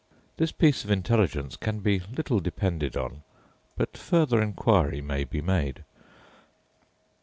This piece of intelligence can be little depended on; but farther inquiry may be made.